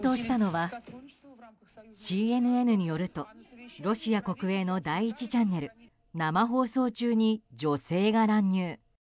ＣＮＮによるとロシア国営の第１チャンネル生放送中に女性が乱入。